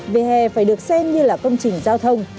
về hè phải được xem như là công trình giao thông